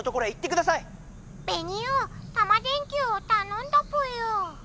「ベニオタマ電Ｑをたのんだぽよ」。